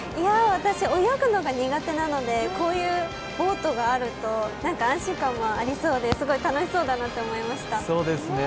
私、泳ぐのが苦手なのでこういうボートがあると安心感もありそうですごい楽しそうだなと思いました。